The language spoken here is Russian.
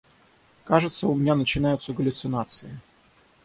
Кажется, у меня начинаются галлюцинации.